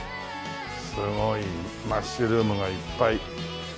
すごいマッシュルームがいっぱい。